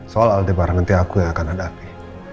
soal aldebaran nanti aku yang akan hadapi